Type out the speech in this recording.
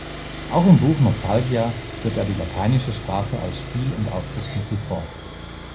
Auch im Buch "Nostalgia" führt er die lateinische Sprache als Stil- und Ausdrucksmittel fort.